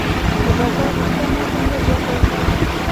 د بازار غوښتنه څنګه زياته سوه؟